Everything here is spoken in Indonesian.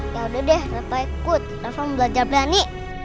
ya udah deh rafa ikut rafa mau belajar berani